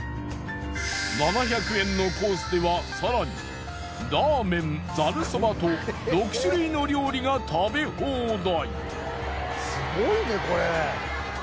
７００円のコースでは更にラーメンざるそばと６種類の料理が食べ放題。